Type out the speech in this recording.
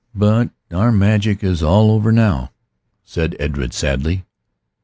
"But our magic is all over now," said Edred sadly.